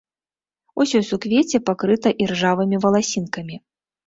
Усё суквецце пакрыта іржавымі валасінкамі.